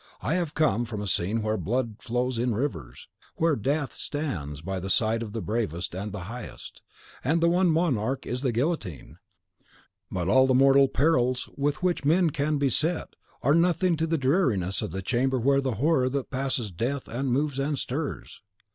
I have come from a scene where blood flows in rivers, where Death stands by the side of the bravest and the highest, and the one monarch is the Guillotine; but all the mortal perils with which men can be beset, are nothing to the dreariness of the chamber where the Horror that passes death moves and stirs!"